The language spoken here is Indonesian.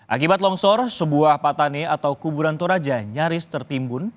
akibat longsor sebuah patane atau kuburan toraja nyaris tertimbun